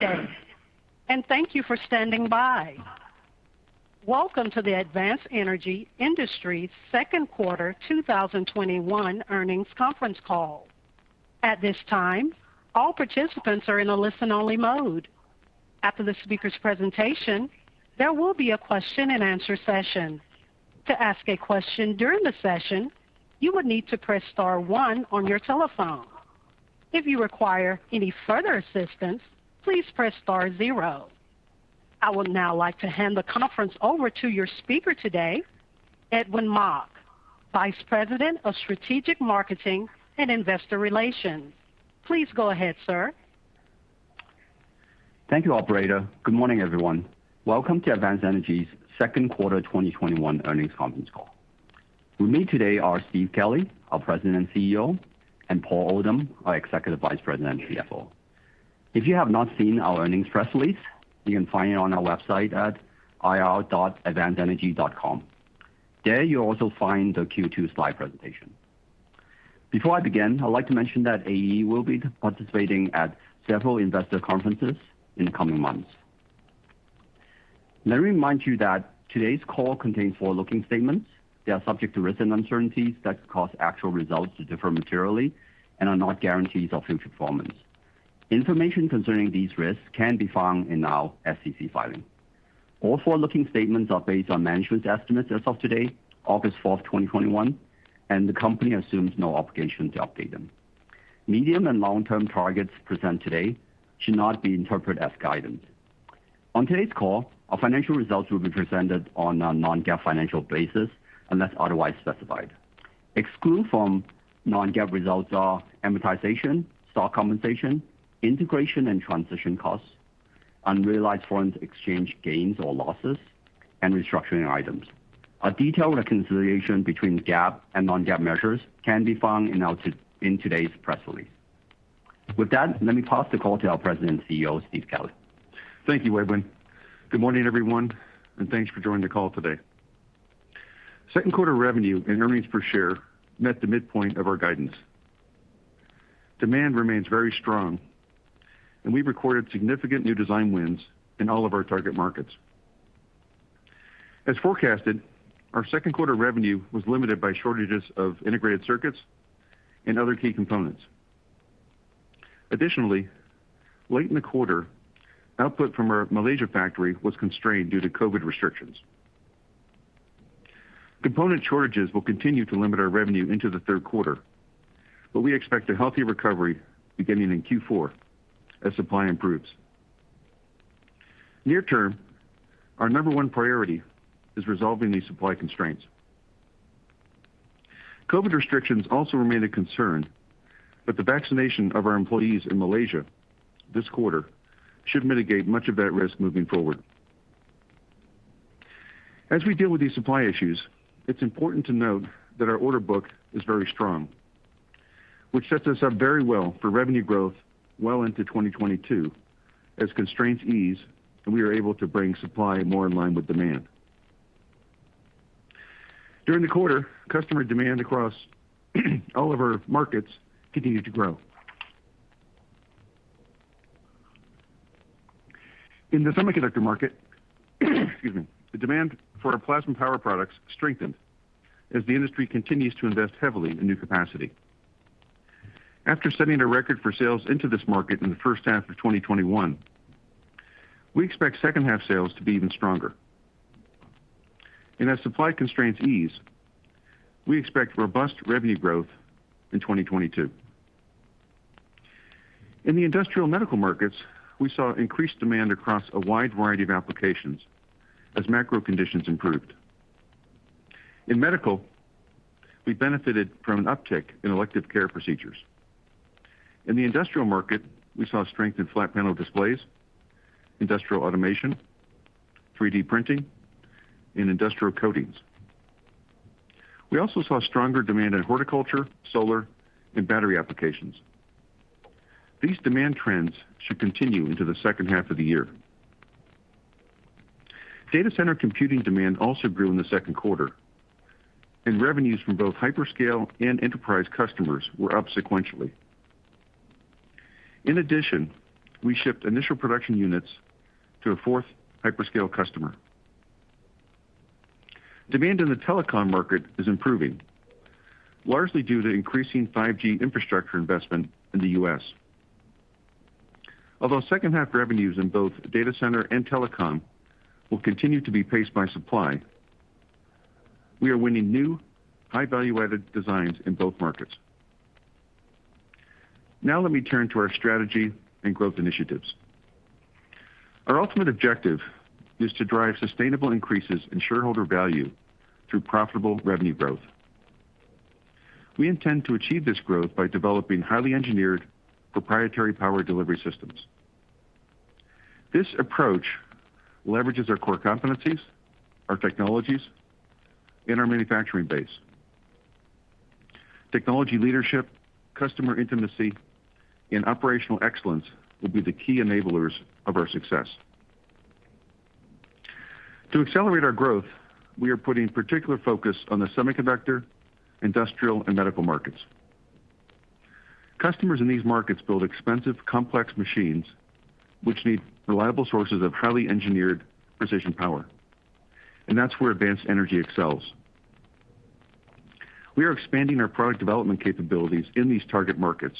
Thank you for standing by. Welcome to the Advanced Energy Industries second quarter 2021 earnings conference call. At this time, all participants are in a listen-only mode. After the speaker's presentation, there will be a question and answer session. To ask a question during the session, you will need to press star one on your telephone. If you require any further assistance, please press star zero. I would now like to hand the conference over to your speaker today, Edwin Mok, Vice President of Strategic Marketing and Investor Relations. Please go ahead, sir. Thank you, operator. Good morning, everyone. Welcome to Advanced Energy's second quarter 2021 earnings conference call. With me today are Steve Kelley, our President and CEO, and Paul Oldham, our Executive Vice President and CFO. If you have not seen our earnings press release, you can find it on our website at ir.advancedenergy.com. There you'll also find the Q2 slide presentation. Before I begin, I'd like to mention that AE will be participating at several investor conferences in the coming months. Let me remind you that today's call contains forward-looking statements. They are subject to risks and uncertainties that could cause actual results to differ materially and are not guarantees of future performance. Information concerning these risks can be found in our SEC filing. All forward-looking statements are based on management's estimates as of today, August 4th, 2021. The company assumes no obligation to update them. Medium and long-term targets presented today should not be interpreted as guidance. On today's call, our financial results will be presented on a non-GAAP financial basis unless otherwise specified. Excluded from non-GAAP results are amortization, stock compensation, integration and transition costs, unrealized foreign exchange gains or losses, and restructuring items. A detailed reconciliation between GAAP and non-GAAP measures can be found in today's press release. With that, let me pass the call to our President and CEO, Steve Kelley. Thank you, Edwin. Good morning, everyone, and thanks for joining the call today. Second quarter revenue and EPS met the midpoint of our guidance. Demand remains very strong, and we recorded significant new design wins in all of our target markets. As forecasted, our Second quarter revenue was limited by shortages of integrated circuits and other key components. Additionally, late in the quarter, output from our Malaysia factory was constrained due to COVID restrictions. Component shortages will continue to limit our revenue into the Third quarter, but we expect a healthy recovery beginning in Q4 as supply improves. Near term, our number one priority is resolving these supply constraints. COVID restrictions also remain a concern, but the vaccination of our employees in Malaysia this quarter should mitigate much of that risk moving forward. As we deal with these supply issues, it's important to note that our order book is very strong, which sets us up very well for revenue growth well into 2022 as constraints ease and we are able to bring supply more in line with demand. During the quarter, customer demand across all of our markets continued to grow. In the semiconductor market, the demand for our plasma power products strengthened as the industry continues to invest heavily in new capacity. After setting a record for sales into this market in the first half of 2021, we expect second half sales to be even stronger. As supply constraints ease, we expect robust revenue growth in 2022. In the industrial and medical markets, we saw increased demand across a wide variety of applications as macro conditions improved. In medical, we benefited from an uptick in elective care procedures. In the industrial market, we saw strength in flat panel displays, industrial automation, 3D printing, and industrial coatings. We also saw stronger demand in horticulture, solar, and battery applications. These demand trends should continue into the second half of the year. Data center computing demand also grew in the second quarter, and revenues from both hyperscale and enterprise customers were up sequentially. We shipped initial production units to a fourth hyperscale customer. Demand in the telecom market is improving, largely due to increasing 5G infrastructure investment in the U.S. Although second half revenues in both data center and telecom will continue to be paced by supply, we are winning new high value-added designs in both markets. Let me turn to our strategy and growth initiatives. Our ultimate objective is to drive sustainable increases in shareholder value through profitable revenue growth. We intend to achieve this growth by developing highly engineered proprietary power delivery systems. This approach leverages our core competencies, our technologies, and our manufacturing base. Technology leadership, customer intimacy, and operational excellence will be the key enablers of our success. To accelerate our growth, we are putting particular focus on the semiconductor, industrial, and medical markets. Customers in these markets build expensive, complex machines, which need reliable sources of highly engineered precision power, and that's where Advanced Energy excels. We are expanding our product development capabilities in these target markets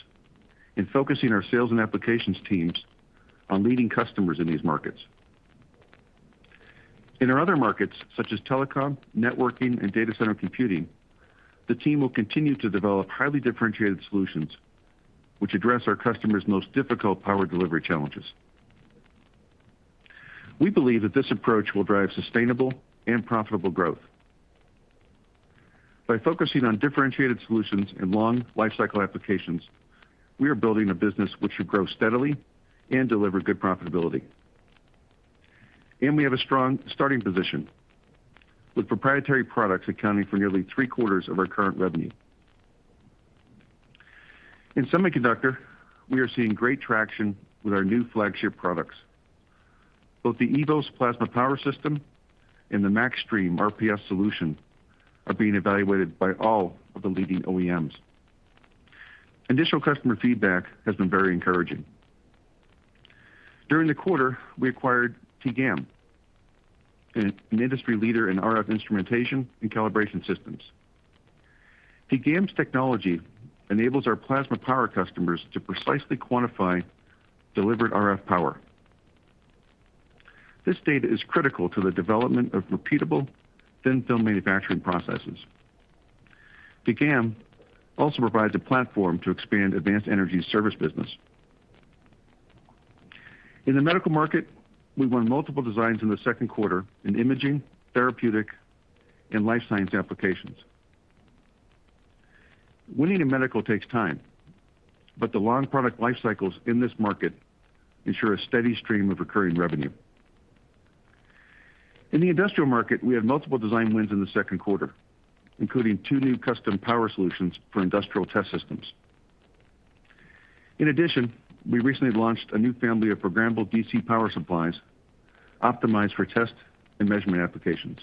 and focusing our sales and applications teams on leading customers in these markets. In our other markets, such as telecom, networking, and data center computing, the team will continue to develop highly differentiated solutions, which address our customers' most difficult power delivery challenges. We believe that this approach will drive sustainable and profitable growth. By focusing on differentiated solutions and long lifecycle applications, we are building a business which should grow steadily and deliver good profitability. We have a strong starting position, with proprietary products accounting for nearly three-quarters of our current revenue. In semiconductor, we are seeing great traction with our new flagship products. Both the eVoS Plasma Power system and the MAXstream RPS solution are being evaluated by all of the leading OEMs. Initial customer feedback has been very encouraging. During the quarter, we acquired TEGAM, an industry leader in RF instrumentation and calibration systems. TEGAM's technology enables our plasma power customers to precisely quantify delivered RF power. This data is critical to the development of repeatable thin-film manufacturing processes. TEGAM also provides a platform to expand Advanced Energy's service business. In the medical market, we won multiple designs in the second quarter in imaging, therapeutic, and life science applications. Winning in medical takes time, but the long product life cycles in this market ensure a steady stream of recurring revenue. In the industrial market, we had multiple design wins in the second quarter, including two new custom power solutions for industrial test systems. In addition, we recently launched a new family of programmable DC power supplies optimized for test and measurement applications.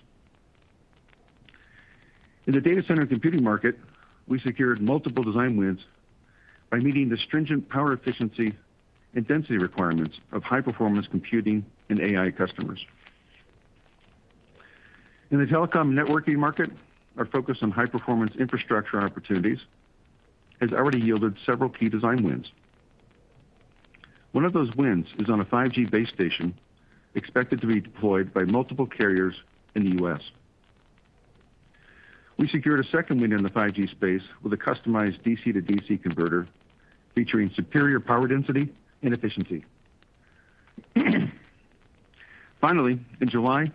In the data center computing market, we secured multiple design wins by meeting the stringent power efficiency and density requirements of high-performance computing and AI customers. In the telecom networking market, our focus on high-performance infrastructure opportunities has already yielded several key design wins. One of those wins is on a 5G base station expected to be deployed by multiple carriers in the U.S. We secured a second win in the 5G space with a customized DC-to-DC converter featuring superior power density and efficiency. Finally, in July,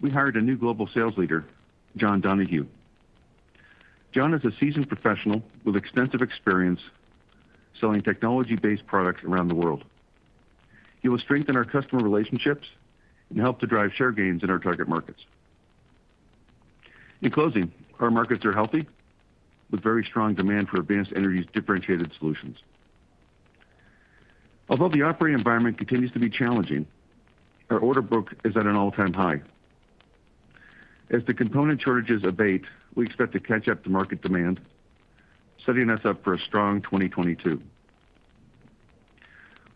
we hired a new global sales leader, John Donahue. John is a seasoned professional with extensive experience selling technology-based products around the world. He will strengthen our customer relationships and help to drive share gains in our target markets. In closing, our markets are healthy with very strong demand for Advanced Energy's differentiated solutions. Although the operating environment continues to be challenging, our order book is at an all-time high. As the component shortages abate, we expect to catch up to market demand, setting us up for a strong 2022.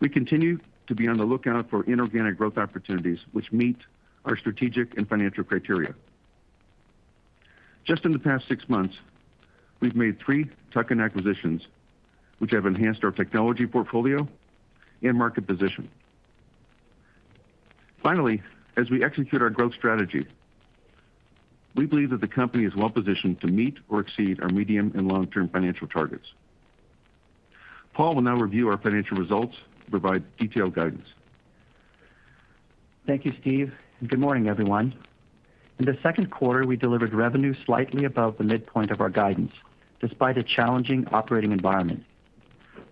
We continue to be on the lookout for inorganic growth opportunities, which meet our strategic and financial criteria. Just in the past six months, we've made three tuck-in acquisitions, which have enhanced our technology portfolio and market position. Finally, as we execute our growth strategy, we believe that the company is well-positioned to meet or exceed our medium and long-term financial targets. Paul will now review our financial results to provide detailed guidance. Thank you, Steve, and good morning, everyone. In the second quarter, we delivered revenue slightly above the midpoint of our guidance, despite a challenging operating environment.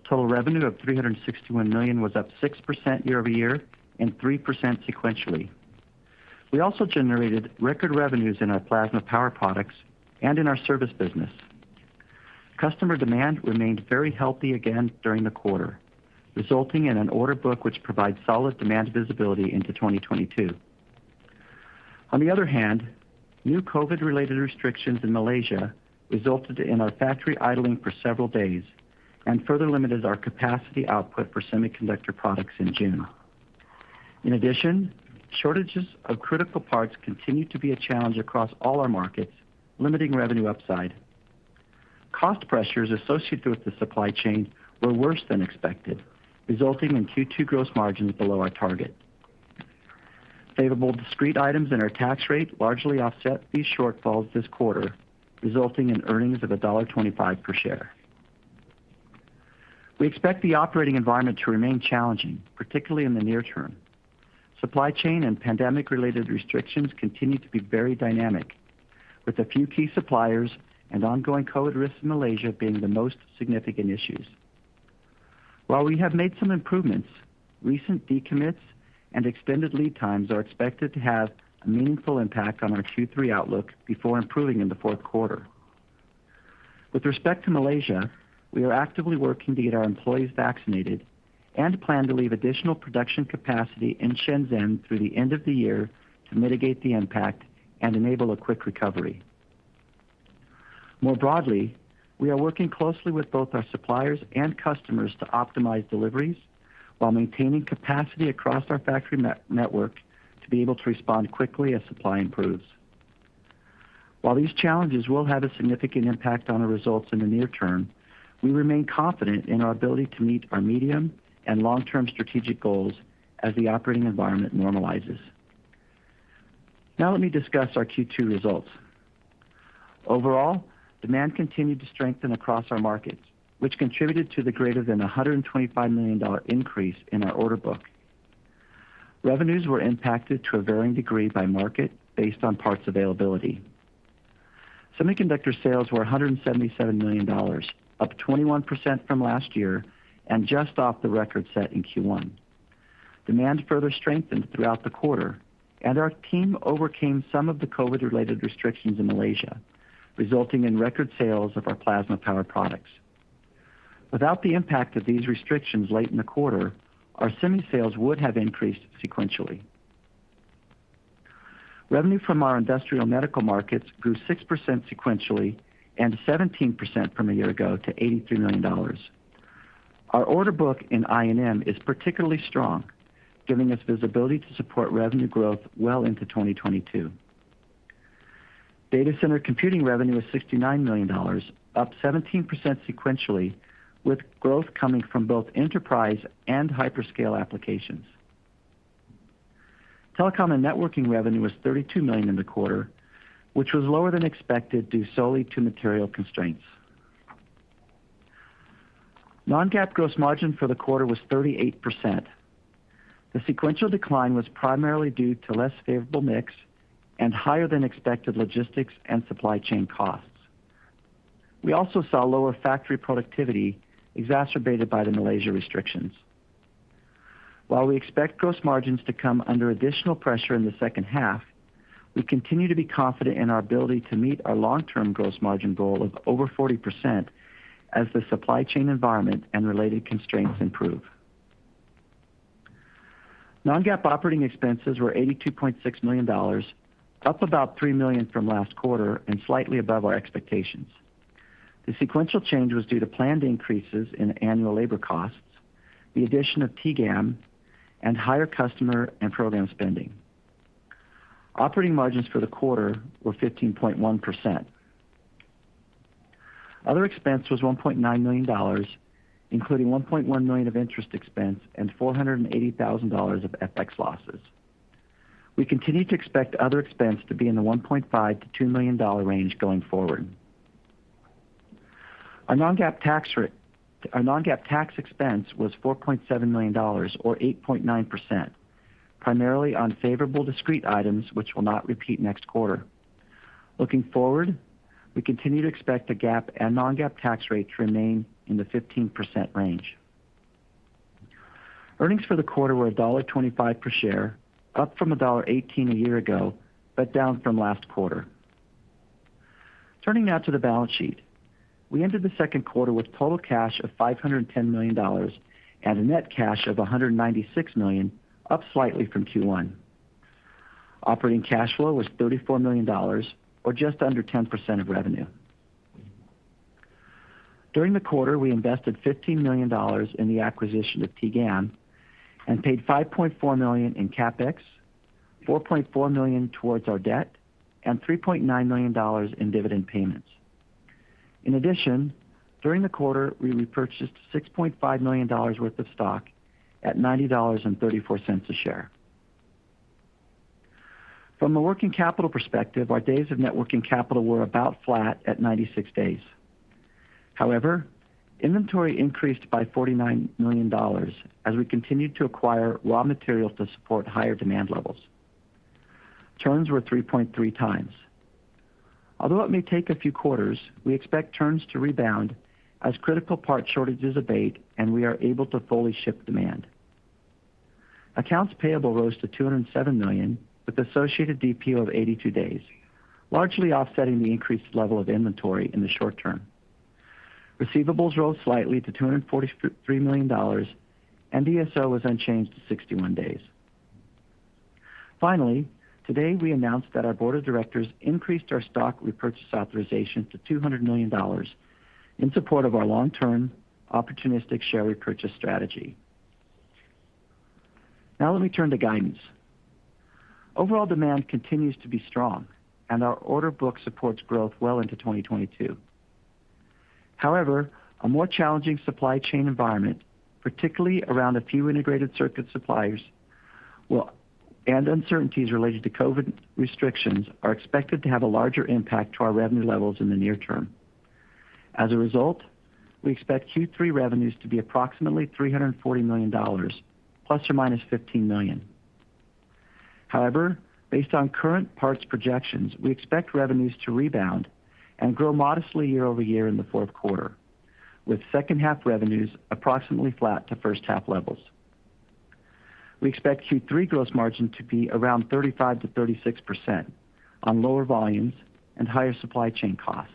Total revenue of $361 million was up 6% year-over-year and 3% sequentially. We also generated record revenues in our plasma power products and in our service business. Customer demand remained very healthy again during the quarter, resulting in an order book which provides solid demand visibility into 2022. On the other hand, new COVID-related restrictions in Malaysia resulted in our factory idling for several days and further limited our capacity output for semiconductor products in June. In addition, shortages of critical parts continue to be a challenge across all our markets, limiting revenue upside. Cost pressures associated with the supply chain were worse than expected, resulting in Q2 gross margins below our target. Favorable discrete items in our tax rate largely offset these shortfalls this quarter, resulting in earnings of $1.25 per share. We expect the operating environment to remain challenging, particularly in the near term. Supply chain and pandemic-related restrictions continue to be very dynamic, with a few key suppliers and ongoing COVID risks in Malaysia being the most significant issues. While we have made some improvements, recent decommits and extended lead times are expected to have a meaningful impact on our Q3 outlook before improving in the fourth quarter. With respect to Malaysia, we are actively working to get our employees vaccinated and plan to leave additional production capacity in Shenzhen through the end of the year to mitigate the impact and enable a quick recovery. More broadly, we are working closely with both our suppliers and customers to optimize deliveries while maintaining capacity across our factory network to be able to respond quickly as supply improves. While these challenges will have a significant impact on our results in the near term, we remain confident in our ability to meet our medium and long-term strategic goals as the operating environment normalizes. Now let me discuss our Q2 results. Overall, demand continued to strengthen across our markets, which contributed to the greater than $125 million increase in our order book. Revenues were impacted to a varying degree by market based on parts availability. Semiconductor sales were $177 million, up 21% from last year, and just off the record set in Q1. Demand further strengthened throughout the quarter, and our team overcame some of the COVID-related restrictions in Malaysia, resulting in record sales of our plasma power products. Without the impact of these restrictions late in the quarter, our semi sales would have increased sequentially. Revenue from our industrial medical markets grew 6% sequentially and 17% from a year ago to $83 million. Our order book in I&M is particularly strong, giving us visibility to support revenue growth well into 2022. Data center computing revenue was $69 million, up 17% sequentially, with growth coming from both enterprise and hyperscale applications. Telecom and networking revenue was $32 million in the quarter, which was lower than expected due solely to material constraints. Non-GAAP gross margin for the quarter was 38%. The sequential decline was primarily due to less favorable mix and higher than expected logistics and supply chain costs. We also saw lower factory productivity exacerbated by the Malaysia restrictions. While we expect gross margins to come under additional pressure in the second half, we continue to be confident in our ability to meet our long-term gross margin goal of over 40% as the supply chain environment and related constraints improve. Non-GAAP operating expenses were $82.6 million, up about $3 million from last quarter, and slightly above our expectations. The sequential change was due to planned increases in annual labor costs, the addition of TEGAM, and higher customer and program spending. Operating margins for the quarter were 15.1%. Other expense was $1.9 million, including $1.1 million of interest expense and $480,000 of FX losses. We continue to expect other expense to be in the $1.5 million-$2 million range going forward. Our non-GAAP tax expense was $4.7 million, or 8.9%, primarily on favorable discrete items, which will not repeat next quarter. Looking forward, we continue to expect the GAAP and non-GAAP tax rate to remain in the 15% range. Earnings for the quarter were $1.25 per share, up from $1.18 a year ago, but down from last quarter. Turning now to the balance sheet. We entered the second quarter with total cash of $510 million and a net cash of $196 million, up slightly from Q1. Operating cash flow was $34 million, or just under 10% of revenue. During the quarter, we invested $15 million in the acquisition of TEGAM and paid $5.4 million in CapEx, $4.4 million towards our debt, and $3.9 million in dividend payments. In addition, during the quarter, we repurchased $6.5 million worth of stock at $90.34 a share. From a working capital perspective, our days of net working capital were about flat at 96 days. However, inventory increased by $49 million as we continued to acquire raw materials to support higher demand levels. Turns were 3.3x. Although it may take a few quarters, we expect turns to rebound as critical part shortages abate and we are able to fully ship demand. Accounts payable rose to $207 million, with associated DPO of 82 days, largely offsetting the increased level of inventory in the short term. Receivables rose slightly to $243 million, and DSO was unchanged at 61 days. Finally, today we announced that our board of directors increased our stock repurchase authorization to $200 million in support of our long-term opportunistic share repurchase strategy. Now let me turn to guidance. Overall demand continues to be strong, and our order book supports growth well into 2022. However, a more challenging supply chain environment, particularly around a few integrated circuit suppliers, and uncertainties related to COVID restrictions, are expected to have a larger impact to our revenue levels in the near term. As a result, we expect Q3 revenues to be approximately $340 million ±$15 million. However, based on current parts projections, we expect revenues to rebound and grow modestly year-over-year in the fourth quarter, with second half revenues approximately flat to first half levels. We expect Q3 gross margin to be around 35%-36% on lower volumes and higher supply chain costs,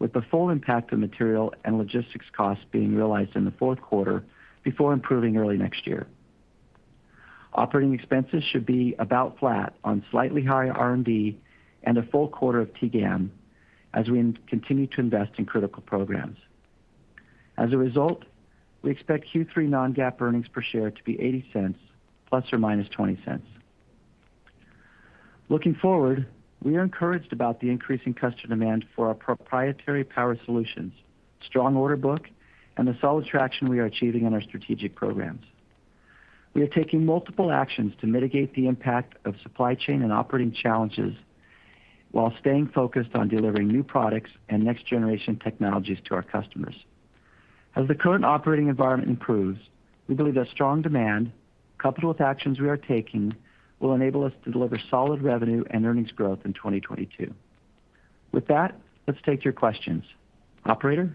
with the full impact of material and logistics costs being realized in the fourth quarter before improving early next year. Operating expenses should be about flat on slightly higher R&D and a full quarter of TEGAM as we continue to invest in critical programs. As a result, we expect Q3 non-GAAP earnings per share to be $0.80, ± $0.20. Looking forward, we are encouraged about the increasing customer demand for our proprietary power solutions, strong order book, and the solid traction we are achieving on our strategic programs. We are taking multiple actions to mitigate the impact of supply chain and operating challenges while staying focused on delivering new products and next-generation technologies to our customers. As the current operating environment improves, we believe that strong demand, coupled with actions we are taking, will enable us to deliver solid revenue and earnings growth in 2022. With that, let's take your questions. Operator?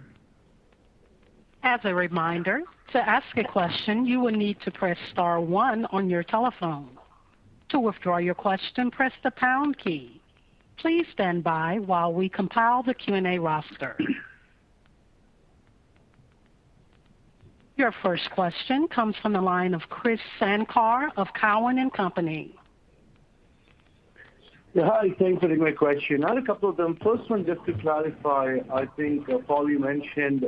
As a reminder, to ask a question, you will need to press star one on your telephone. To withdraw your question, press the pound key. Please stand by as we compile the Q&A roster. Your first question comes from the line of Krish Sankar of Cowen and Company. Yeah. Hi, thanks for taking my question. I had a couple of them. First one, just to clarify, I think Paul, you mentioned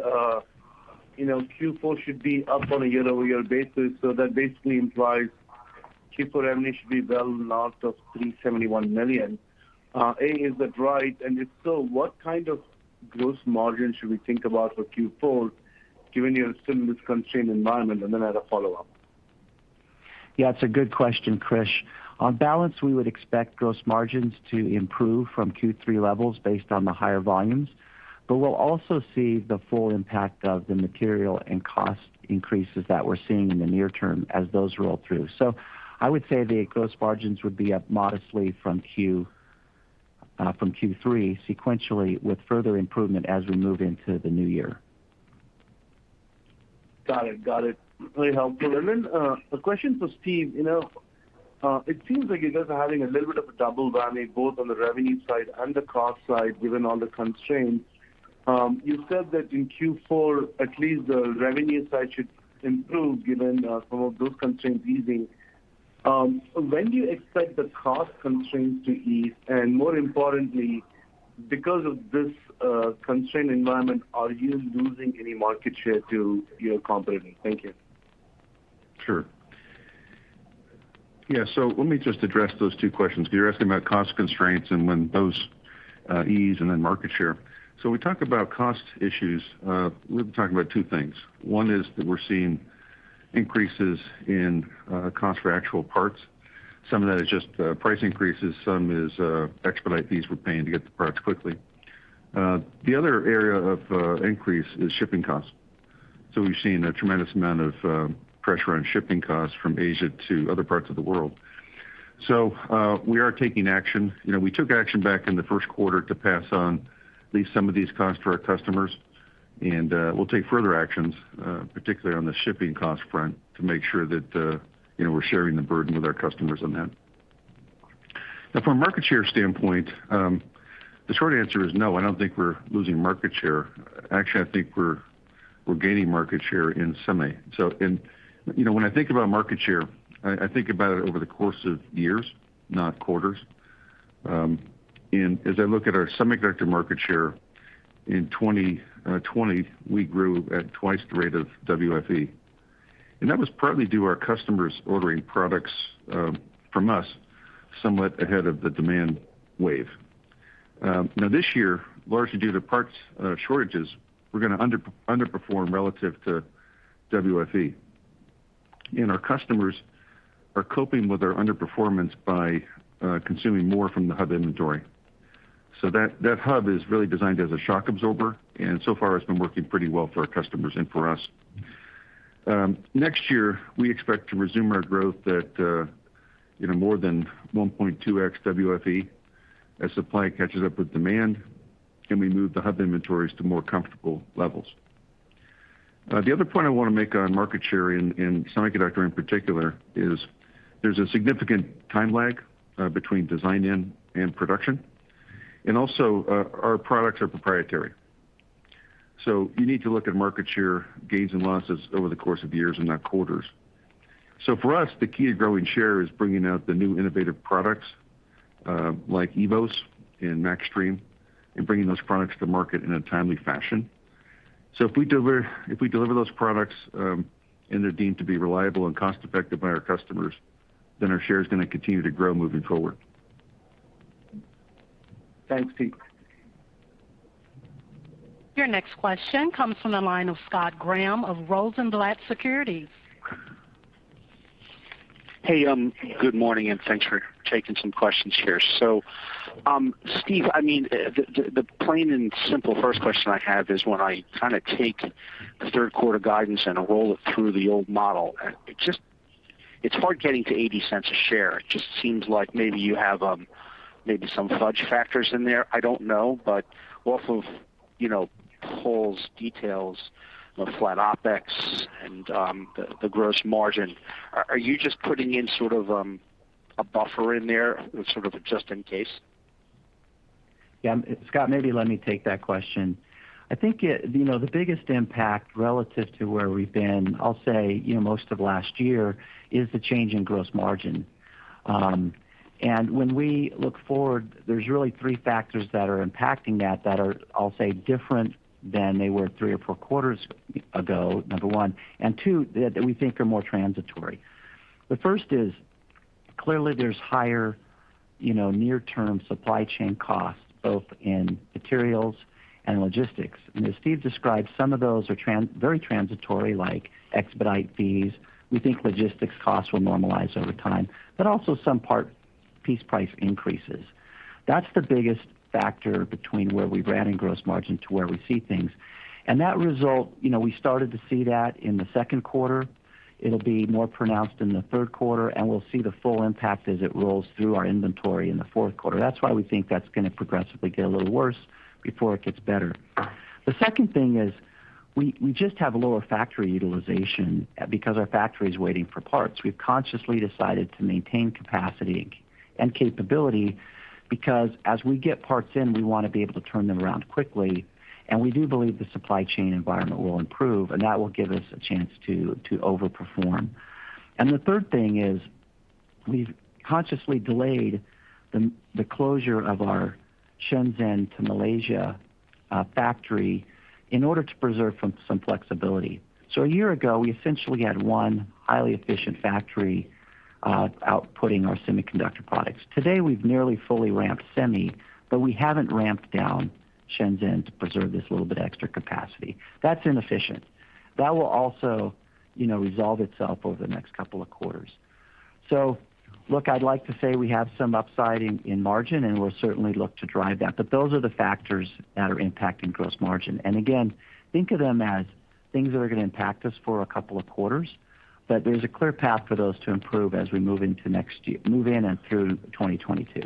Q4 should be up on a year-over-year basis. That basically implies Q4 revenue should be well north of $371 million. A, is that right? If so, what kind of gross margin should we think about for Q4 given you're still in this constrained environment? Then I had a follow-up. Yeah, it's a good question, Krish. On balance, we would expect gross margins to improve from Q3 levels based on the higher volumes, but we'll also see the full impact of the material and cost increases that we're seeing in the near term as those roll through. I would say the gross margins would be up modestly from Q3 sequentially with further improvement as we move into the new year. Got it. Really helpful. A question for Steve. It seems like you guys are having a little bit of a double whammy both on the revenue side and the cost side given all the constraints. You said that in Q4, at least the revenue side should improve given some of those constraints easing. When do you expect the cost constraints to ease? More importantly, because of this constrained environment, are you losing any market share to your competitors? Thank you. Sure. Yeah, let me just address those two questions. You're asking about cost constraints and when those ease, and then market share. When we talk about cost issues, we've been talking about two things. One is that we're seeing increases in cost for actual parts. Some of that is just price increases, some is expedite fees we're paying to get the products quickly. The other area of increase is shipping costs. We've seen a tremendous amount of pressure on shipping costs from Asia to other parts of the world. We are taking action. We took action back in the first quarter to pass on at least some of these costs to our customers, and we'll take further actions, particularly on the shipping cost front, to make sure that we're sharing the burden with our customers on that. From a market share standpoint, the short answer is no, I don't think we're losing market share. Actually, I think we're gaining market share in semi. When I think about market share, I think about it over the course of years, not quarters. As I look at our semiconductor market share, in 2020, we grew at twice the rate of WFE, and that was partly due our customers ordering products from us somewhat ahead of the demand wave. This year, largely due to parts shortages, we're going to underperform relative to WFE. Our customers are coping with our underperformance by consuming more from the hub inventory. That hub is really designed as a shock absorber, and so far it's been working pretty well for our customers and for us. Next year, we expect to resume our growth at more than 1.2x WFE as supply catches up with demand, and we move the hub inventories to more comfortable levels. The other point I want to make on market share in semiconductor in particular is there's a significant time lag between design-in and production, and also our products are proprietary. You need to look at market share gains and losses over the course of years and not quarters. For us, the key to growing share is bringing out the new innovative products like eVoS and MAXstream, and bringing those products to market in a timely fashion. If we deliver those products, and they're deemed to be reliable and cost-effective by our customers, then our share is going to continue to grow moving forward. Thanks, Steve. Your next question comes from the line of Scott Graham of Rosenblatt Securities. Hey, good morning, and thanks for taking some questions here. Steve, the plain and simple first question I have is when I take the third quarter guidance and roll it through the old model, it's hard getting to $0.80 a share. It just seems like maybe you have some fudge factors in there. I don't know. Off of Paul's details on flat OpEx and the gross margin. Are you just putting in sort of a buffer in there, sort of a just in case? Yeah. Scott, maybe let me take that question. The biggest impact relative to where we've been, I'll say, most of last year, is the change in gross margin. When we look forward, there's really three factors that are impacting that are, I'll say, different than they were three or four quarters ago, number one, and two, that we think are more transitory. The first is, clearly there's higher near-term supply chain costs, both in materials and logistics. As Steve described, some of those are very transitory, like expedite fees. We think logistics costs will normalize over time, but also some part piece price increases. That's the biggest factor between where we ran in gross margin to where we see things. That result, we started to see that in the second quarter. It'll be more pronounced in the third quarter, and we'll see the full impact as it rolls through our inventory in the fourth quarter. That's why we think that's going to progressively get a little worse before it gets better. The second thing is, we just have lower factory utilization, because our factory's waiting for parts. We've consciously decided to maintain capacity and capability, because as we get parts in, we want to be able to turn them around quickly, and we do believe the supply chain environment will improve, and that will give us a chance to over-perform. The third thing is, we've consciously delayed the closure of our Shenzhen to Malaysia factory in order to preserve some flexibility. A year ago, we essentially had one highly efficient factory outputting our semiconductor products. Today, we've nearly fully ramped semi, but we haven't ramped down Shenzhen to preserve this little bit of extra capacity. That's inefficient. That will also resolve itself over the next couple of quarters. Look, I'd like to say we have some upside in margin, and we'll certainly look to drive that. Those are the factors that are impacting gross margin. Again, think of them as things that are going to impact us for a couple of quarters, but there's a clear path for those to improve as we move in and through 2022.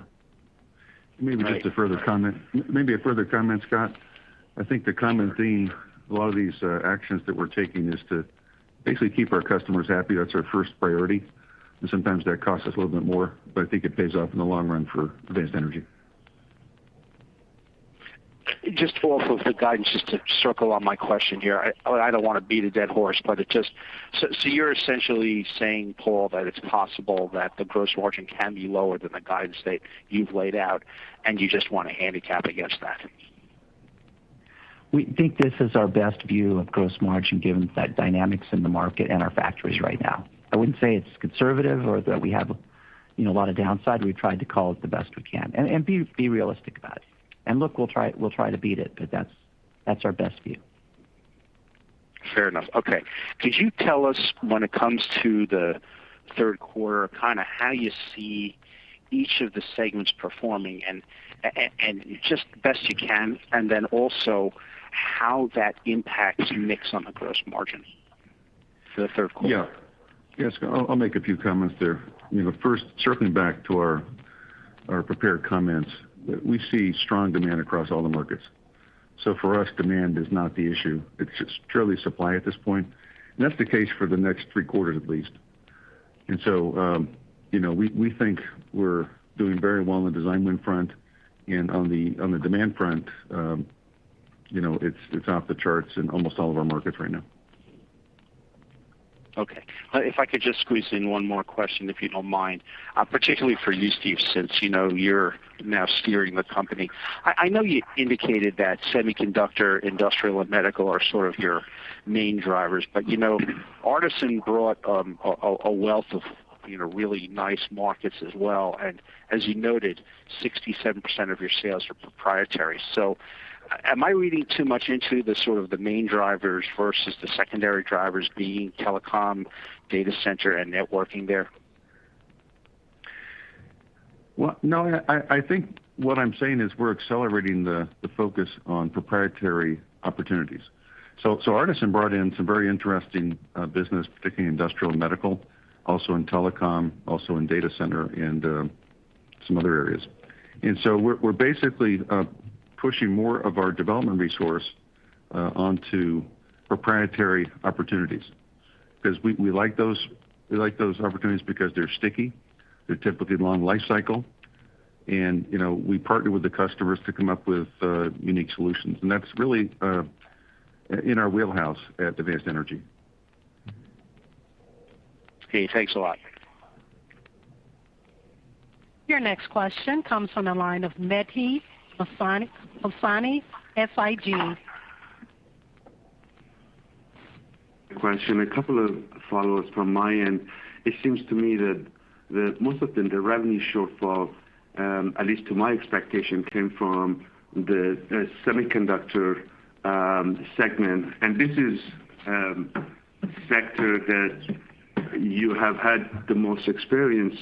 Maybe just a further comment. Maybe a further comment, Scott. I think the common theme, a lot of these actions that we're taking is to basically keep our customers happy. That's our first priority, and sometimes that costs us a little bit more, but I think it pays off in the long run for Advanced Energy. Just off of the guidance, just to circle on my question here. I don't want to beat a dead horse. You're essentially saying, Paul, that it's possible that the gross margin can be lower than the guidance that you've laid out, and you just want to handicap against that? We think this is our best view of gross margin given the dynamics in the market and our factories right now. I wouldn't say it's conservative or that we have a lot of downside. We've tried to call it the best we can and be realistic about it. Look, we'll try to beat it, but that's our best view. Fair enough. Could you tell us when it comes to the third quarter, kind of how you see each of the segments performing, and just best you can, and then also how that impacts mix on the gross margin for the third quarter? Yeah. Yeah, Scott, I'll make a few comments there. First, circling back to our prepared comments. We see strong demand across all the markets. For us, demand is not the issue. It's purely supply at this point, and that's the case for the next three quarters at least. We think we're doing very well on the design win front and on the demand front, it's off the charts in almost all of our markets right now. Okay. If I could just squeeze in one more question, if you don't mind, particularly for you, Steve, since you're now steering the company. I know you indicated that semiconductor, industrial, and medical are sort of your main drivers, but Artesyn brought a wealth of really nice markets as well, and as you noted, 67% of your sales are proprietary. Am I reading too much into the sort of the main drivers versus the secondary drivers being telecom, data center, and networking there? Well, no. What I'm saying is we're accelerating the focus on proprietary opportunities. Artesyn brought in some very interesting business, particularly in industrial and medical, also in telecom, also in data center, and some other areas. We're basically pushing more of our development resource onto proprietary opportunities. We like those opportunities because they're sticky, they're typically long life cycle, and we partner with the customers to come up with unique solutions. That's really in our wheelhouse at Advanced Energy. Okay, thanks a lot. Your next question comes from the line of Mehdi Hosseini, SIG. Question, a couple of followers from my end. It seems to me that most of them, the revenue shortfall, at least to my expectation, came from the semiconductor segment, and this is a sector that you have had the most experience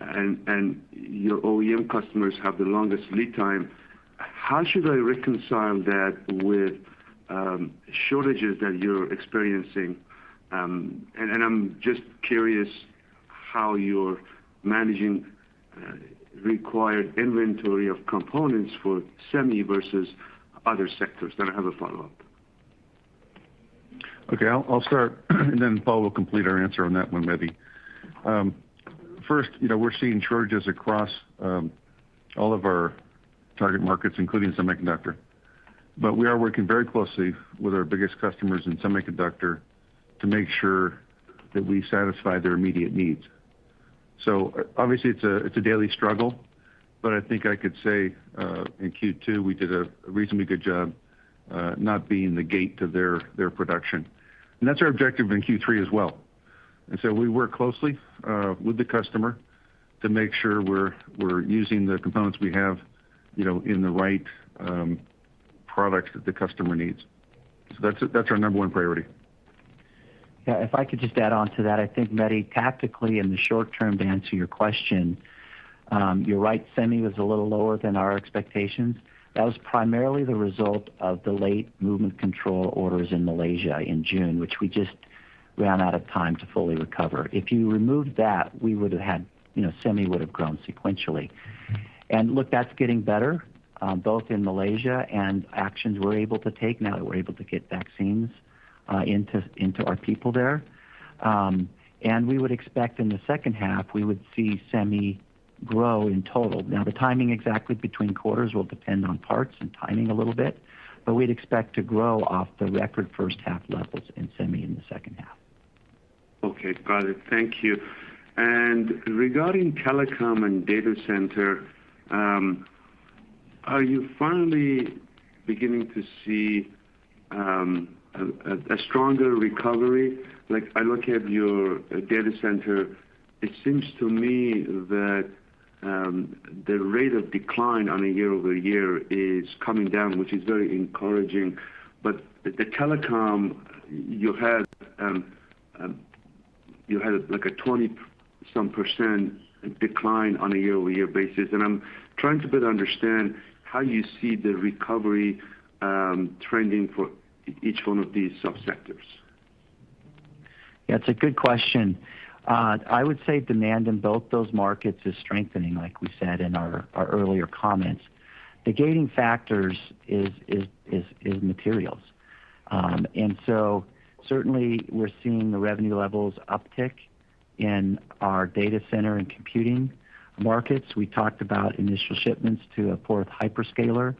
and your OEM customers have the longest lead time. How should I reconcile that with shortages that you're experiencing? I'm just curious how you're managing required inventory of components for semi versus other sectors. I have a follow-up. I'll start, and then Paul Oldham will complete our answer on that one, Mehdi Hosseini. First, we're seeing shortages across all of our target markets, including semiconductor. We are working very closely with our biggest customers in semiconductor to make sure that we satisfy their immediate needs. Obviously it's a daily struggle, but I think I could say, in Q2, we did a reasonably good job not being the gate to their production. That's our objective in Q3 as well. We work closely with the customer to make sure we're using the components we have in the right products that the customer needs. That's our number one priority. Yeah, if I could just add on to that. I think, Mehdi, tactically in the short term, to answer your question, you're right, semi was a little lower than our expectations. That was primarily the result of the late movement control orders in Malaysia in June, which we just ran out of time to fully recover. If you removed that, semi would've grown sequentially. Look, that's getting better, both in Malaysia and actions we're able to take now that we're able to get vaccines into our people there. We would expect in the second half, we would see semi grow in total. Now, the timing exactly between quarters will depend on parts and timing a little bit, but we'd expect to grow off the record first half levels in semi in the second half. Okay, got it. Thank you. Regarding telecom and data center, are you finally beginning to see a stronger recovery? I look at your data center, it seems to me that the rate of decline on a year-over-year is coming down, which is very encouraging. The telecom, you had like a 20-some% decline on a year-over-year basis, and I'm trying to better understand how you see the recovery trending for each one of these sub-sectors. It's a good question. I would say demand in both those markets is strengthening, like we said in our earlier comments. The gating factors is materials. Certainly we're seeing the revenue levels uptick in our data center and computing markets. We talked about initial shipments to a fourth hyperscaler.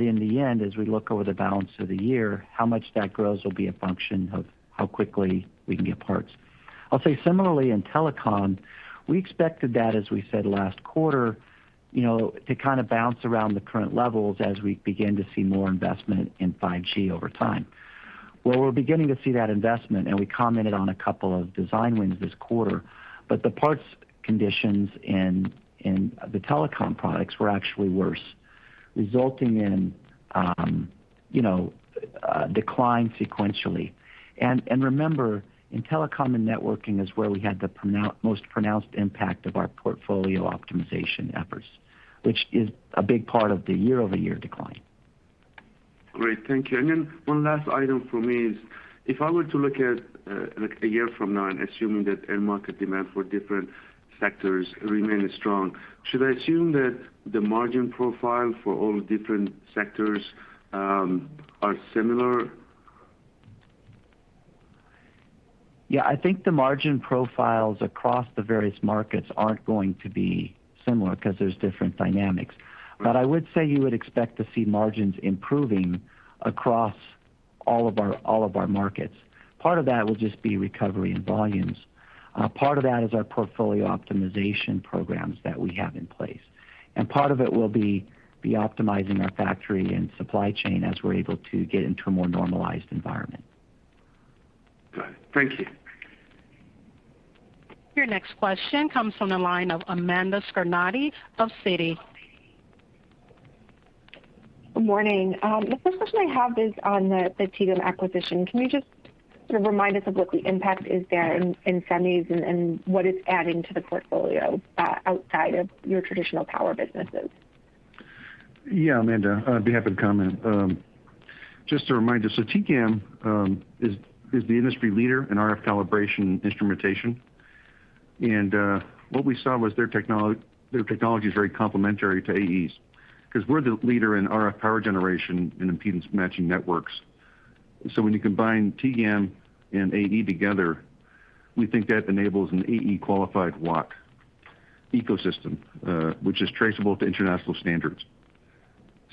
In the end, as we look over the balance of the year, how much that grows will be a function of how quickly we can get parts. I'll say similarly in telecom, we expected that, as we said last quarter, to kind of bounce around the current levels as we begin to see more investment in 5G over time. We're beginning to see that investment, and we commented on a couple of design wins this quarter, but the parts conditions in the telecom products were actually worse, resulting in decline sequentially. Remember, in telecom and networking is where we had the most pronounced impact of our portfolio optimization efforts, which is a big part of the year-over-year decline. Great, thank you. One last item from me is, if I were to look at a year from now, and assuming that end market demand for different sectors remain strong, should I assume that the margin profile for all different sectors are similar? Yeah, I think the margin profiles across the various markets aren't going to be similar because there's different dynamics. Right. I would say you would expect to see margins improving across all of our markets. Part of that will just be recovery in volumes. Part of that is our portfolio optimization programs that we have in place. Part of it will be optimizing our factory and supply chain as we're able to get into a more normalized environment. Got it. Thank you. Your next question comes from the line of Amanda Scarnati of Citi. Good morning. The first question I have is on the TEGAM acquisition. Can you just sort of remind us of what the impact is there in semis and what it's adding to the portfolio, outside of your traditional power businesses? Yeah, Amanda, I'd be happy to comment. Just a reminder, TEGAM is the industry leader in RF calibration instrumentation. What we saw was their technology is very complementary to AE's, because we're the leader in RF power generation and impedance matching networks. When you combine TEGAM and AE together, we think that enables an AE qualified lab ecosystem, which is traceable to international standards.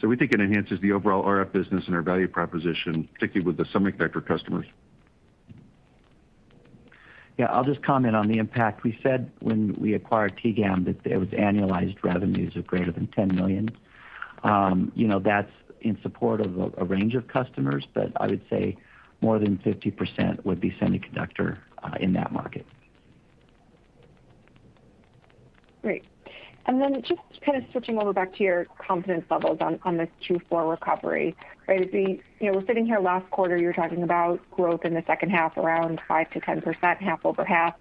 We think it enhances the overall RF business and our value proposition, particularly with the semiconductor customers. I'll just comment on the impact. We said when we acquired TEGAM that it was annualized revenues of greater than $10 million. That's in support of a range of customers, I would say more than 50% would be semiconductor in that market. Great. Just kind of switching over back to your confidence levels on this two-fold recovery, right? We're sitting here last quarter, you were talking about growth in the second half around 5%-10%, half over half,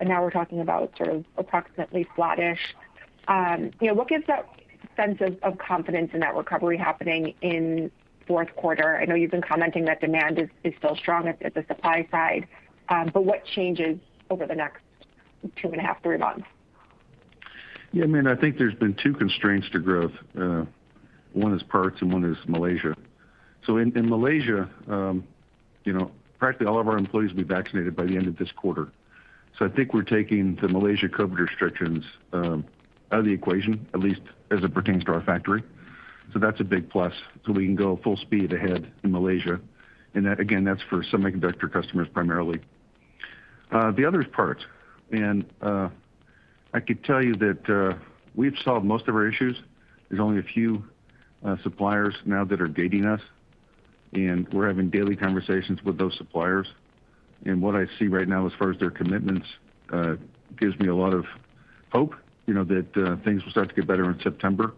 now we're talking about sort of approximately flattish. What gives that sense of confidence in that recovery happening in fourth quarter? I know you've been commenting that demand is still strong at the supply side. What changes over the next two and a half, three months? Yeah, Amanda, there's been two constraints to growth. One is parts and one is Malaysia. In Malaysia, practically all of our employees will be vaccinated by the end of this quarter. We're taking the Malaysia COVID restrictions out of the equation, at least as it pertains to our factory. That's a big plus. We can go full speed ahead in Malaysia, and again, that's for semiconductor customers primarily. The other is parts, and I could tell you that we've solved most of our issues. There's only a few suppliers now that are gating us, and we're having daily conversations with those suppliers. What I see right now as far as their commitments gives me a lot of hope that things will start to get better in September,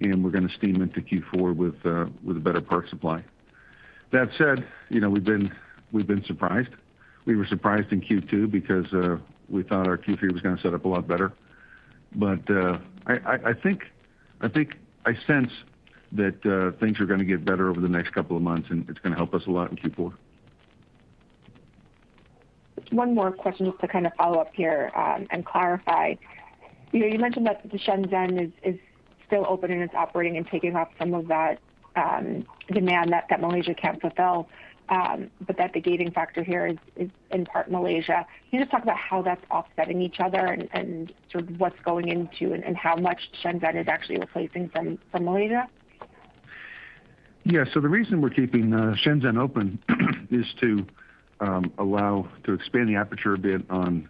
and we're going to steam into Q4 with a better part supply. We've been surprised. We were surprised in Q2 because we thought our Q3 was going to set up a lot better. I sense that things are going to get better over the next couple of months, and it's going to help us a lot in Q4. One more question just to kind of follow up here and clarify. You mentioned that Shenzhen is still open and is operating and taking up some of that demand that Malaysia can't fulfill, that the gating factor here is in part Malaysia. Can you just talk about how that's offsetting each other and sort of what's going into, and how much Shenzhen is actually replacing from Malaysia? The reason we're keeping Shenzhen open is to expand the aperture a bit on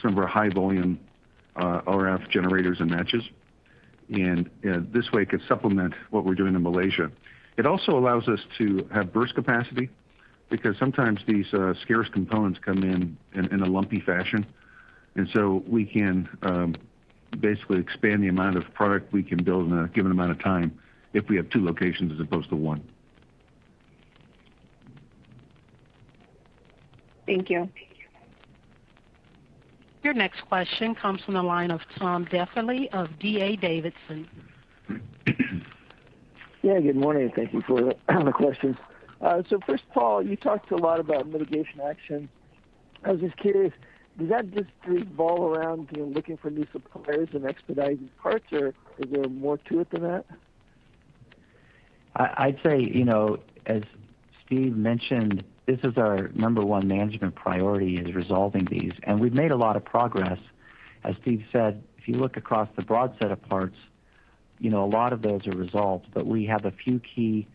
some of our high volume RF generators and matches. This way, it could supplement what we're doing in Malaysia. It also allows us to have burst capacity, because sometimes these scarce components come in in a lumpy fashion. We can basically expand the amount of product we can build in a given amount of time if we have two locations as opposed to one. Thank you. Your next question comes from the line of Tom Diffely of D.A. Davidson. Yeah, good morning. Thank you for the questions. First, Paul, you talked a lot about mitigation action. I was just curious, does that just revolve around looking for new suppliers and expediting parts, or is there more to it than that? I'd say, as Steve mentioned, this is our number one management priority, is resolving these. We've made a lot of progress. As Steve said, if you look across the broad set of parts, a lot of those are resolved, but we have a few key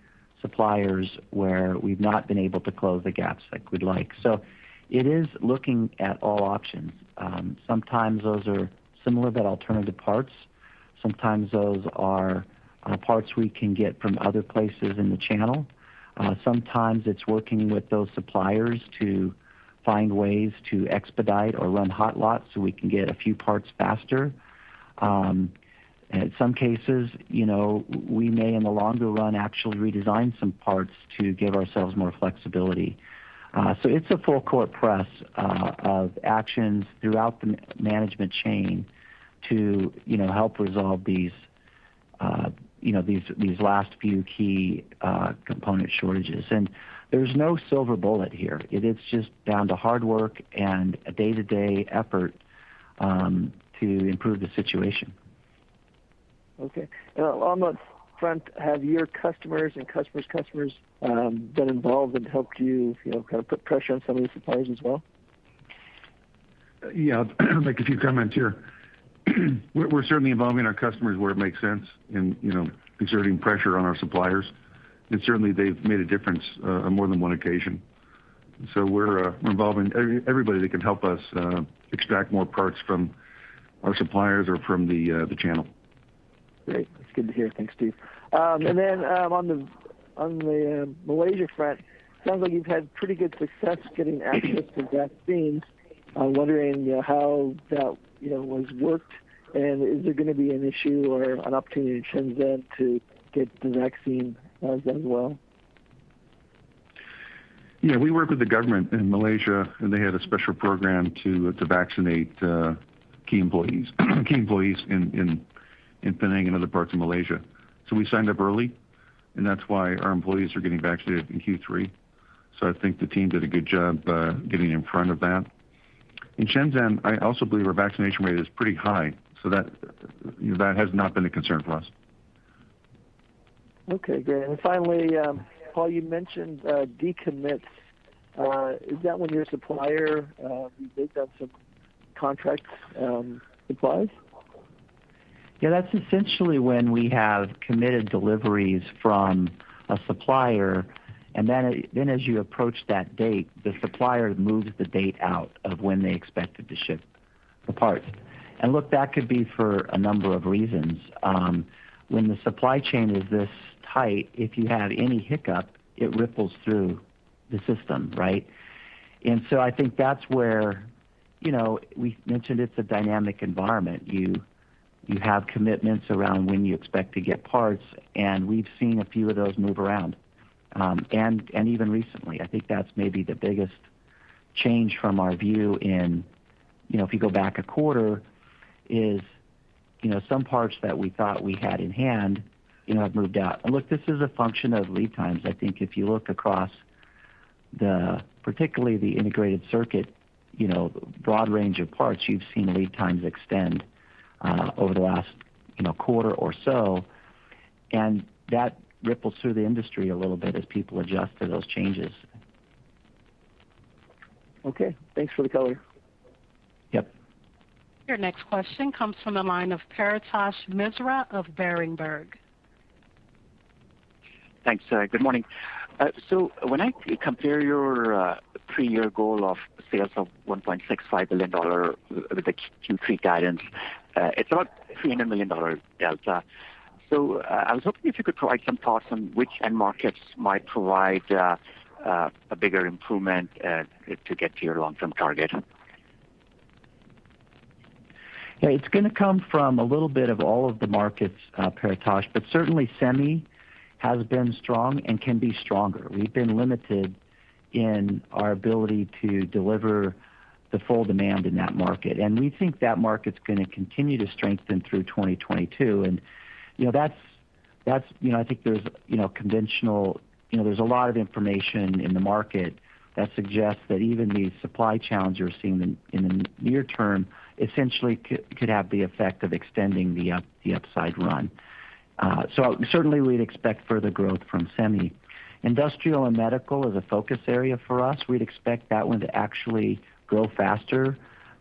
suppliers where we've not been able to close the gaps like we'd like. It is looking at all options. Sometimes those are similar but alternative parts. Sometimes those are parts we can get from other places in the channel. Sometimes it's working with those suppliers to find ways to expedite or run hot lots so we can get a few parts faster. In some cases, we may, in the longer run, actually redesign some parts to give ourselves more flexibility. It's a full-court press of actions throughout the management chain to help resolve these last few key component shortages. There's no silver bullet here. It is just down to hard work and a day-to-day effort to improve the situation. Okay. Along that front, have your customers and customer's customers been involved and helped you kind of put pressure on some of these suppliers as well? Yeah. I'll make a few comments here. We're certainly involving our customers where it makes sense and exerting pressure on our suppliers. Certainly, they've made a difference on more than one occasion. We're involving everybody that can help us extract more parts from our suppliers or from the channel. Great. That's good to hear. Thanks, Steve. On the Malaysia front, sounds like you've had pretty good success getting access to vaccines. I'm wondering how that was worked, and is there going to be an issue or an opportunity in Shenzhen to get the vaccine as well? Yeah. We work with the government in Malaysia, and they had a special program to vaccinate key employees in Penang and other parts of Malaysia. We signed up early, and that's why our employees are getting vaccinated in Q3. The team did a good job getting in front of that. In Shenzhen, I also believe our vaccination rate is pretty high, so that has not been a concern for us. Okay, good. Finally, Paul, you mentioned decommits. Is that when your supplier revises up some contract supplies? Yeah, that's essentially when we have committed deliveries from a supplier, then as you approach that date, the supplier moves the date out of when they expected to ship the part. Look, that could be for a number of reasons. When the supply chain is this tight, if you have any hiccup, it ripples through the system, right? I think that's where we mentioned it's a dynamic environment. You have commitments around when you expect to get parts, and we've seen a few of those move around. Even recently, I think that's maybe the biggest change from our view in, if you go back a quarter, is some parts that we thought we had in hand have moved out. Look, this is a function of lead times. If you look across particularly the integrated circuit broad range of parts, you've seen lead times extend over the last quarter or so, and that ripples through the industry a little bit as people adjust to those changes. Okay. Thanks for the color. Yep. Your next question comes from the line of Paretosh Misra of Berenberg. Thanks. Good morning. When I compare your three-year goal of sales of $1.65 billion with the Q3 guidance, it's about $300 million delta. I was hoping if you could provide some thoughts on which end markets might provide a bigger improvement to get to your long-term target. Yeah, it's going to come from a little bit of all of the markets, Paretosh, certainly semi has been strong and can be stronger. We've been limited in our ability to deliver the full demand in that market, we think that market's going to continue to strengthen through 2022. I think there's a lot of information in the market that suggests that even these supply challenges we're seeing in the near term essentially could have the effect of extending the upside run. Certainly we'd expect further growth from semi. Industrial and Medical is a focus area for us. We'd expect that one to actually grow faster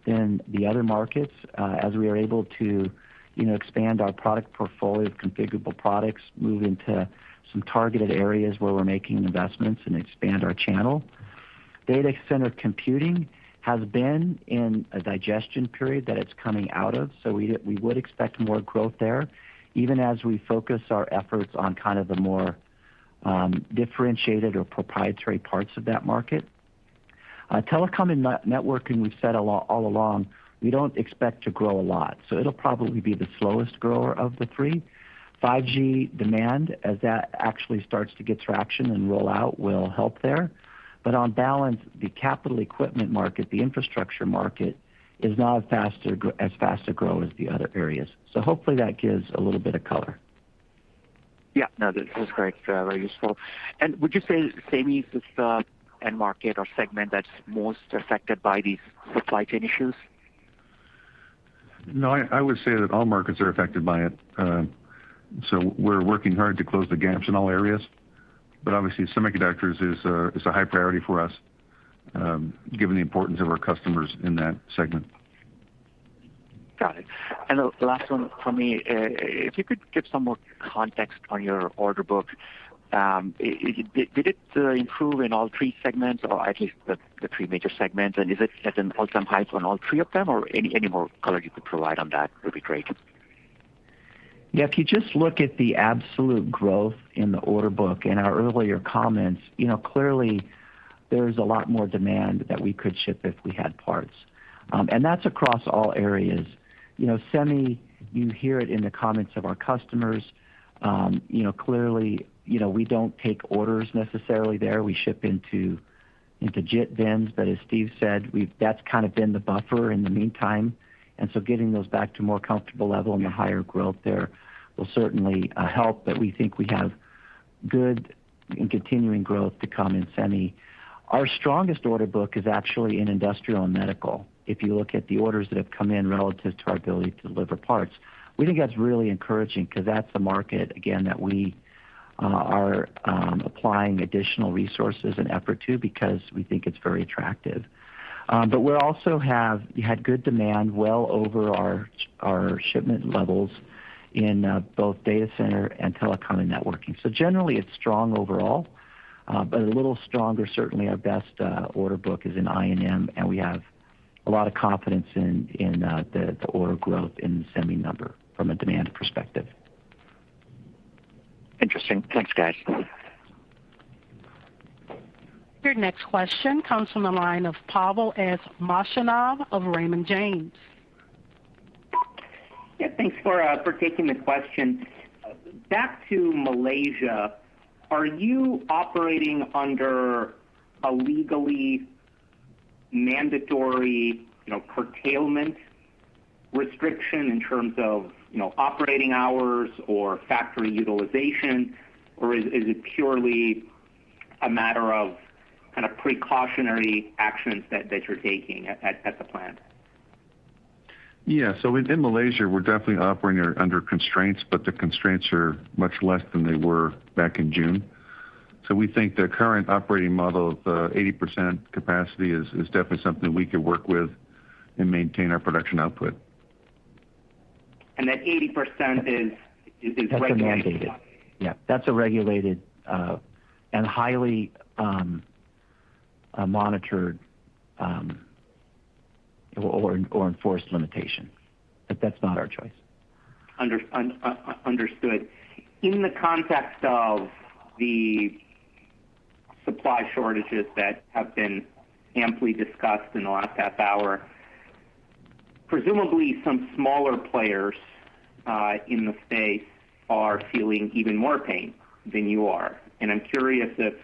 than the other markets, as we are able to expand our product portfolio of configurable products, move into some targeted areas where we're making investments, and expand our channel. Data center computing has been in a digestion period that it's coming out of, so we would expect more growth there, even as we focus our efforts on kind of the more differentiated or proprietary parts of that market. Telecom and networking, we've said all along, we don't expect to grow a lot. It'll probably be the slowest grower of the three. 5G demand, as that actually starts to get traction and roll out, will help there. On balance, the capital equipment market, the infrastructure market, is not as fast a grower as the other areas. Hopefully that gives a little bit of color. Yeah. No, this is great. Very useful. Would you say semi is the end market or segment that's most affected by these supply chain issues? I would say that all markets are affected by it. We're working hard to close the gaps in all areas, but obviously semiconductors is a high priority for us, given the importance of our customers in that segment. Got it. The last one from me, if you could give some more context on your order book. Did it improve in all three segments or at least the three major segments, and is it at an all-time high on all three of them? Any more color you could provide on that would be great. Yeah, if you just look at the absolute growth in the order book in our earlier comments, clearly there's a lot more demand that we could ship if we had parts, and that's across all areas. Semi, you hear it in the comments of our customers. Clearly, we don't take orders necessarily there. We ship into JIT bins, but as Steve said, that's kind of been the buffer in the meantime. Getting those back to a more comfortable level and the higher growth there will certainly help. We think we have good and continuing growth to come in Semi. Our strongest order book is actually in industrial and medical, if you look at the orders that have come in relative to our ability to deliver parts. We think that's really encouraging because that's a market, again, that we are applying additional resources and effort to because we think it's very attractive. We also had good demand well over our shipment levels in both data center and telecom and networking. Generally, it's strong overall, but a little stronger, certainly our best order book is in I&M, and we have a lot of confidence in the order growth in the semi number from a demand perspective. Interesting. Thanks, guys. Your next question comes from the line of Pavel Molchanov of Raymond James. Yeah, thanks for taking the question. Back to Malaysia, are you operating under a legally mandatory curtailment restriction in terms of operating hours or factory utilization, or is it purely a matter of kind of precautionary actions that you're taking at the plant? In Malaysia, we're definitely operating under constraints, but the constraints are much less than they were back in June. We think the current operating model of 80% capacity is definitely something we could work with and maintain our production output. That 80% is regulated? That's a mandated. Yeah. That's a regulated and highly monitored or enforced limitation. That's not our choice. Understood. In the context of the supply shortages that have been amply discussed in the last half hour, presumably some smaller players in the space are feeling even more pain than you are, and I am curious if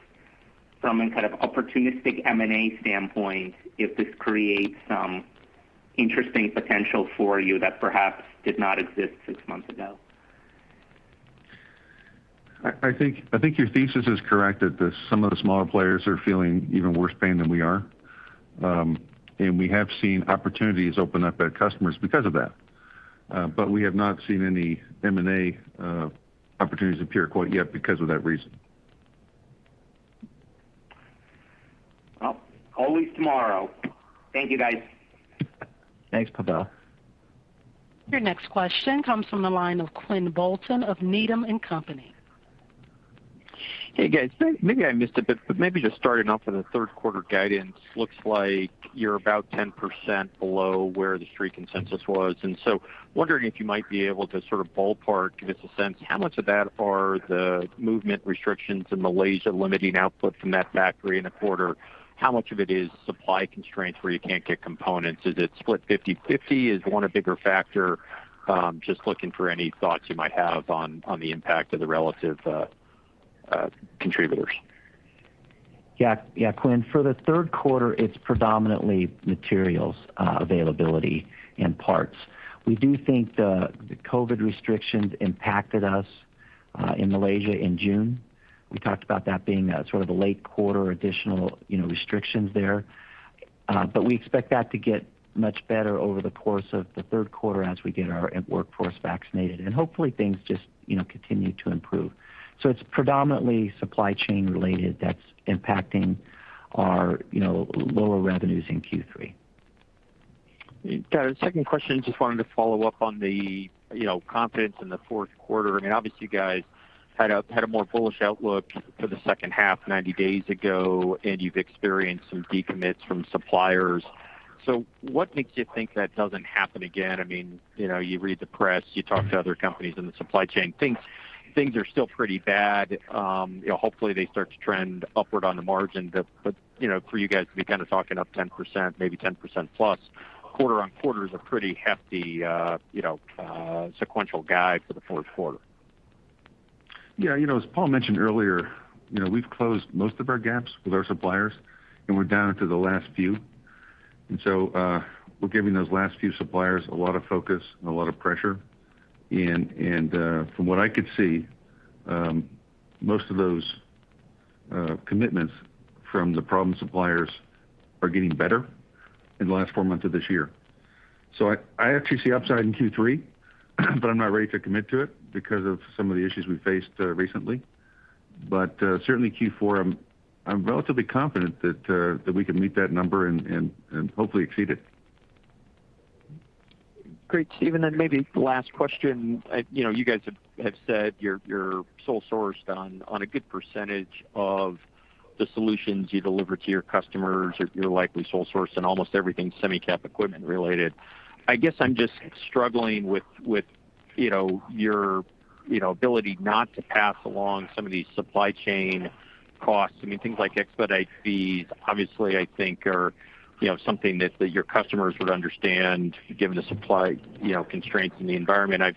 from an opportunistic M&A standpoint, if this creates some interesting potential for you that perhaps did not exist six months ago. Your thesis is correct that some of the smaller players are feeling even worse pain than we are. We have seen opportunities open up at customers because of that. We have not seen any M&A opportunities appear quite yet because of that reason. Well, always tomorrow. Thank you, guys. Thanks, Pavel. Your next question comes from the line of Quinn Bolton of Needham & Company. Hey, guys. Maybe I missed a bit, but maybe just starting off with the third quarter guidance. Looks like you're about 10% below where the Street consensus was, and so wondering if you might be able to ballpark, give us a sense how much of that are the movement restrictions in Malaysia limiting output from that factory in the quarter, how much of it is supply constraints where you can't get components? Is it split 50/50? Is one a bigger factor? Just looking for any thoughts you might have on the impact of the relative contributors. Quinn, for the third quarter, it's predominantly materials availability and parts. We do think the COVID restrictions impacted us in Malaysia in June. We talked about that being a late quarter additional restrictions there. We expect that to get much better over the course of the third quarter as we get our workforce vaccinated, and hopefully things just continue to improve. It's predominantly supply chain related that's impacting our lower revenues in Q3. Got it. Second question, just wanted to follow up on the confidence in the fourth quarter. Obviously, you guys had a more bullish outlook for the second half 90 days ago, and you've experienced some decommits from suppliers. What makes you think that doesn't happen again? You read the press, you talk to other companies in the supply chain, things are still pretty bad. Hopefully they start to trend upward on the margins. For you guys to be talking up 10%, maybe 10%+ quarter-on-quarter is a pretty hefty sequential guide for the fourth quarter. Yeah. As Paul mentioned earlier, we've closed most of our gaps with our suppliers and we're down to the last few. We're giving those last few suppliers a lot of focus and a lot of pressure. From what I could see, most of those commitments from the problem suppliers are getting better in the last four months of this year. I actually see upside in Q3, but I'm not ready to commit to it because of some of the issues we faced recently. Certainly Q4, I'm relatively confident that we can meet that number and hopefully exceed it. Great, Steve, maybe the last question. You guys have said you're sole sourced on a good percentage of the solutions you deliver to your customers. You're likely sole source in almost everything semi-cap equipment related. I'm just struggling with your ability not to pass along some of these supply chain costs. Things like expedite fees obviously I think are something that your customers would understand given the supply constraints in the environment. I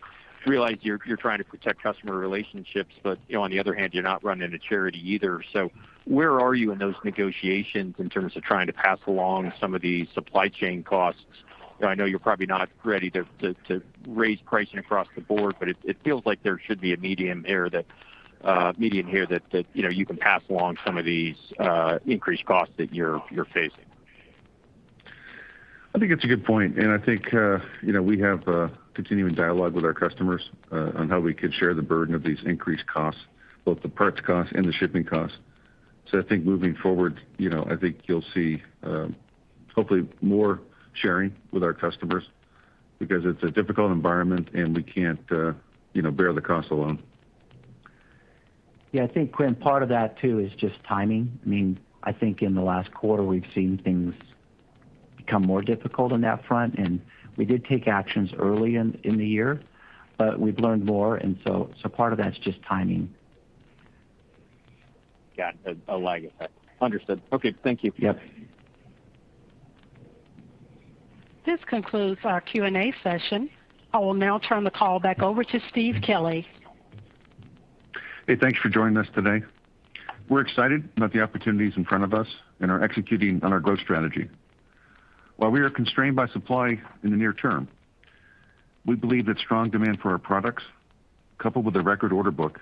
realize you're trying to protect customer relationships, on the other hand, you're not running a charity either. Where are you in those negotiations in terms of trying to pass along some of the supply chain costs? I know you're probably not ready to raise pricing across the board, it feels like there should be a medium here that you can pass along some of these increased costs that you're facing. It's a good point, and I think we have a continuing dialogue with our customers on how we could share the burden of these increased costs, both the parts cost and the shipping costs. Moving forward, I think you'll see hopefully more sharing with our customers because it's a difficult environment, and we can't bear the cost alone. Yeah, Quinn, part of that too is just timing. In the last quarter, we've seen things become more difficult on that front, and we did take actions early in the year. We've learned more, and so part of that is just timing. Got it. I like it. Understood. Okay, thank you. Yep. This concludes our Q&A session. I will now turn the call back over to Steve Kelley. Hey, thanks for joining us today. We're excited about the opportunities in front of us and are executing on our growth strategy. While we are constrained by supply in the near term, we believe that strong demand for our products, coupled with a record order book,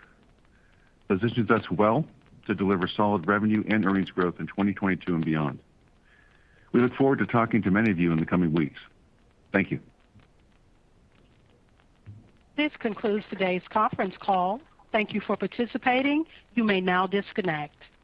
positions us well to deliver solid revenue and earnings growth in 2022 and beyond. We look forward to talking to many of you in the coming weeks. Thank you. This concludes today's conference call. Thank you for participating. You may now disconnect.